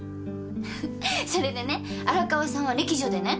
フフッそれでね荒川さんは歴女でね。